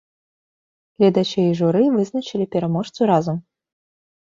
Гледачы і журы вызначалі пераможцу разам.